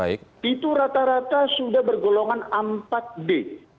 itu rata rata sudah bergolongan empat d